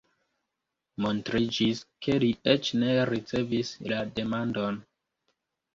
Montriĝis, ke li eĉ ne ricevis la demandon.